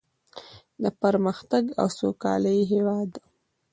د پرمختګ او سوکالۍ هیواد.